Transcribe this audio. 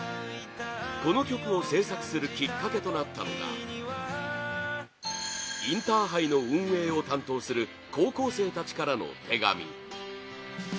この曲を制作するきっかけとなったのがインターハイの運営を担当する高校生たちからの手紙